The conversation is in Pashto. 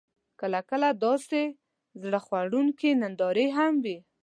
کله، کله داسې زړه خوړونکې نندارې هم کوي: